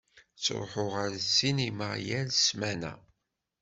Ttṛuḥuɣ ar ssinima yal ssmana.